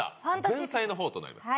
前菜の方となります。